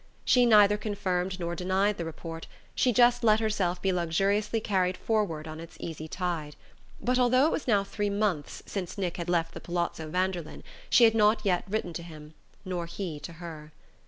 She neither confirmed nor denied the report: she just let herself be luxuriously carried forward on its easy tide. But although it was now three months since Nick had left the Palazzo Vanderlyn she had not yet written to him nor he to her.